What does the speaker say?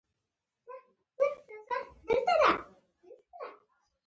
بل ته اجازه ورکوي چې هر څه پېښ کړي.